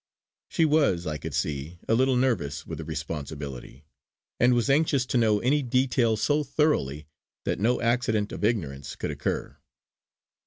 She was, I could see, a little nervous with the responsibility; and was anxious to know any detail so thoroughly that no accident of ignorance could occur.